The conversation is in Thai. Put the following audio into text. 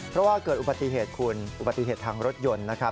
เพราะว่าเกิดอุบัติเหตุคุณอุบัติเหตุทางรถยนต์นะครับ